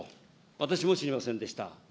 私も知りませんでした。